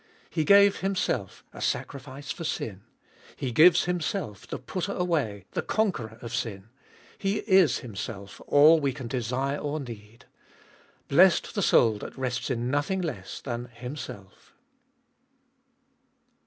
He gave Himself a sacrifice for sin ; He gives Himself the putter away, the conqueror of sin ; He is Himself all we can desire or need. Blessed the soul that rests in nothing less than HIMSELF.